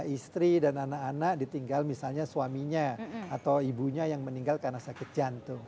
istri dan anak anak ditinggal misalnya suaminya atau ibunya yang meninggal karena sakit jantung